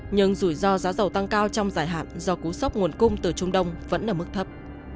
nhưng rủi ro giá dầu tăng cao trong dài hạn do cú sốc nguồn cung từ trung đông vẫn ở mức thấp